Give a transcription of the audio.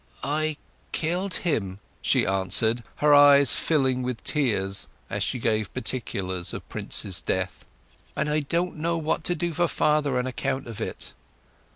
"I—killed him!" she answered, her eyes filling with tears as she gave particulars of Prince's death. "And I don't know what to do for father on account of it!"